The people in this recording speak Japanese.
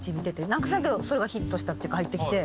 何か知らんけどそれがヒットしたっていうか入ってきて。